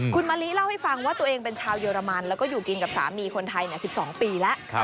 คุณมะลิเล่าให้ฟังว่าตัวเองเป็นชาวเยอรมันแล้วก็อยู่กินกับสามีคนไทย๑๒ปีแล้ว